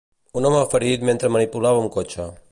Un home ferit mentre manipulava un cotxe.